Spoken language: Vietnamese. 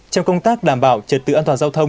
trong công tác đảm bảo trật tự an toàn giao thông